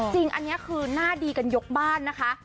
จริงอันนี้คือหน้าดีกันยกบ้านนะคะ